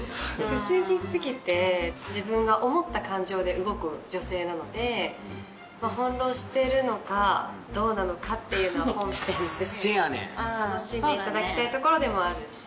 不思議すぎて自分が思った感情で動く女性なので翻弄してるのかどうなのかっていうのは本編で楽しんで頂きたいところでもあるし。